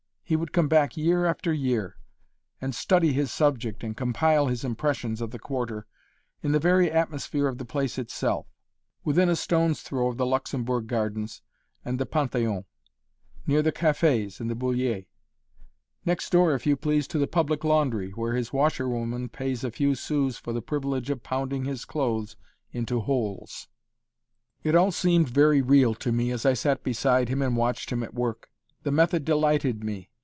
He would come back year after year, and study his subject and compile his impressions of the Quarter in the very atmosphere of the place itself; within a stone's throw of the Luxembourg Gardens and the Panthéon; near the cafés and the Bullier; next door, if you please, to the public laundry where his washerwoman pays a few sous for the privilege of pounding his clothes into holes. It all seemed very real to me, as I sat beside him and watched him at work. The method delighted me.